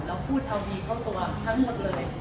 เราพูดเอาดีเข้าตัวทั้งหมดเลย